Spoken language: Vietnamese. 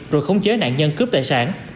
rồi khống chế nạn nhân cướp tài sản